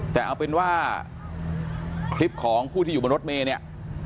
แต่เอาเป็นว่าคลิปของผู้ที่อยู่บนรถเมย์เนี่ย